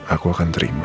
aku akan terima